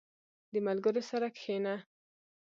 • د ملګرو سره کښېنه.